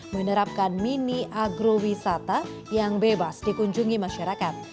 menerapkan mini agrowisata yang bebas dikunjungi masyarakat